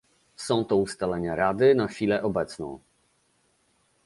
Są to ustalenia Rady na chwilę obecną